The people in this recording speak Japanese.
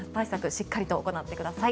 しっかりと行ってください。